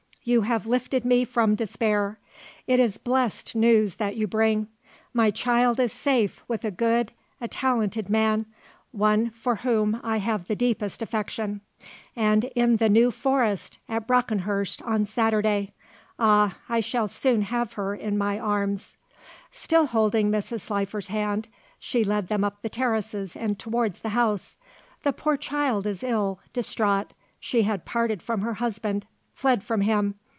"You have lifted me from despair. It is blessed news that you bring. My child is safe with a good, a talented man; one for whom I have the deepest affection. And in the New Forest at Brockenhurst on Saturday. Ah, I shall soon have her in my arms." Still holding Mrs. Slifer's hand she led them up the terraces and towards the house. "The poor child is ill, distraught. She had parted from her husband fled from him.